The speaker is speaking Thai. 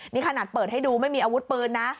นี่ขนาดเปิดให้ดูไม่มีอาวุธปืนนะ